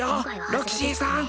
ロキシーさん！